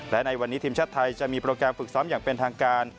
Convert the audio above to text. และในวันนี้ทีมชาติไทยจะมีโปรแกรมฝึกซ้อมอย่างเป็นทางการ